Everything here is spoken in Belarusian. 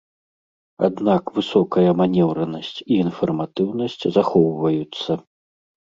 Аднак высокая манеўранасць і інфарматыўнасць захоўваюцца.